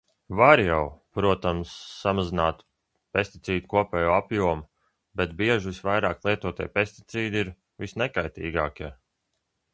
Var jau, protams, samazināt pesticīdu kopējo apjomu, bet bieži visvairāk lietotie pesticīdi ir visnekaitīgākie.